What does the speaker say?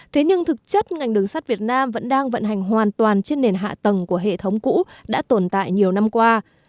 thế nhưng thực chất ngành đường sắt việt nam vẫn đang vận hành hoàn toàn trên nền hạ tầng của hệ thống cũ đã tồn tại nhiều năm qua